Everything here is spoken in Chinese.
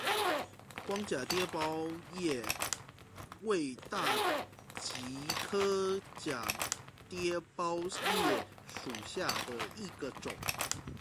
光假奓包叶为大戟科假奓包叶属下的一个种。